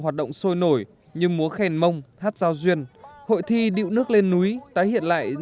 hoạt động sôi nổi như múa khen mông hát giao duyên hội thi điệu nước lên núi tái hiện lại